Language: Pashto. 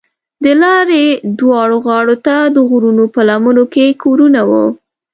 د لارې دواړو غاړو ته د غرونو په لمنو کې کورونه وو.